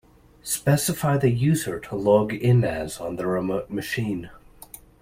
Specify the user to log in as on the remote machine.